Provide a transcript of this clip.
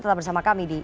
tetap bersama kami di